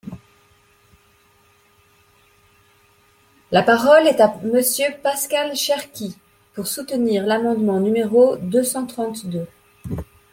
La parole est à Monsieur Pascal Cherki, pour soutenir l’amendement numéro deux cent trente-deux.